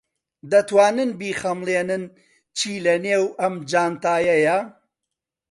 دەتوانن بیخەملێنن چی لەنێو ئەم جانتایەیە؟